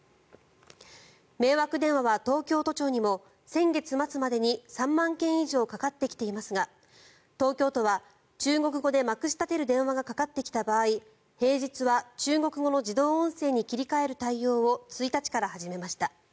迷惑電話は、東京都庁にも先月末までに３万件以上かかってきていますが東京都は、中国語でまくし立てる電話がかかってきた場合平日は、中国語の自動音声に切り替える対応を１日から始めました。